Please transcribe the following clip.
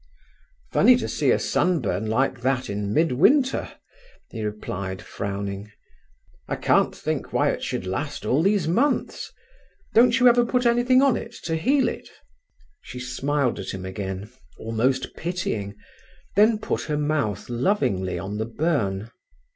"Funny to see a sunburn like that in mid winter," he replied, frowning. "I can't think why it should last all these months. Don't you ever put anything on to heal it?" She smiled at him again, almost pitying, then put her mouth lovingly on the burn.